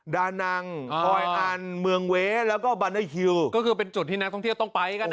ดานังออยอันเมืองเว้แล้วก็บาเนอร์ฮิวก็คือเป็นจุดที่นักท่องเที่ยวต้องไปกันอ่ะ